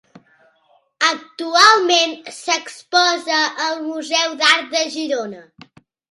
Actualment s'exposa al Museu d'Art de Girona.